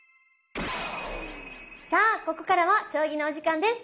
さあここからは将棋のお時間です。